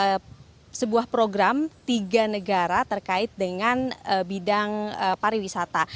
ada sebuah program tiga negara terkait dengan bidang pariwisata